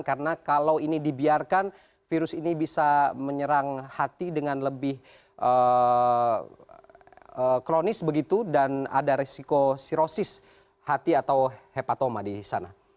karena kalau ini dibiarkan virus ini bisa menyerang hati dengan lebih kronis begitu dan ada risiko cirosis hati atau hepatoma di sana